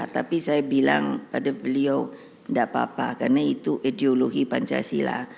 tapi saya bilang pada beliau tidak apa apa karena itu ideologi pancasila